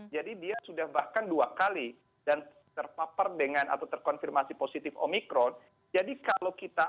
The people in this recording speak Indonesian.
jadi dia sudah bahkan dua kali dan terpapar dengan atau terkonfirmasi positif omicron jadi kalau kita